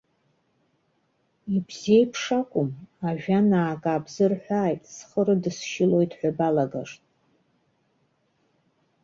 Ибзеиԥш акәым, ажәа наак аабзырҳәааит, схы рыдысшьылоит ҳәа балагашт.